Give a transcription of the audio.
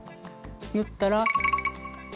縫ったら。